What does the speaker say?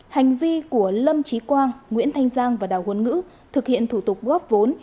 hành vi của lâm trí quang nguyễn thanh giang và đào huân ngữ thực hiện thủ tục góp vốn